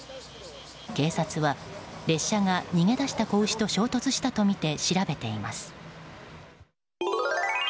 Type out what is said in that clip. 警察は列車が逃げ出した子牛と衝突したとみて調べています。